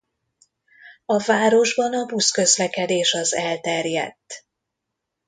A városban a buszközlekedés az elterjedt.